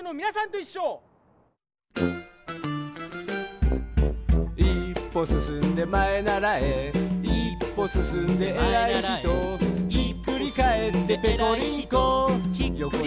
「いっぽすすんでまえならえ」「いっぽすすんでえらいひと」「ひっくりかえってぺこり